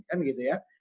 kan gitu ya